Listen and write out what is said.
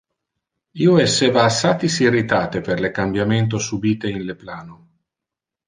Io esseva assatis irritate per le cambiamento subite in le plano.